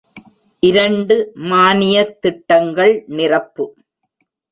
இரண்டு மானிய திட்டங்கள் நிரப்பு.